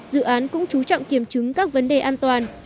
dự án cũng chú trọng kiểm chứng các vấn đề an toàn